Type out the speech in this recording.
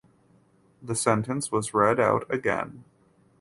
The sentence was read out again.